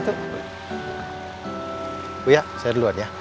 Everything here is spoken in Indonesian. buya saya duluan ya